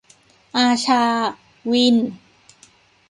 อาชา-วิน !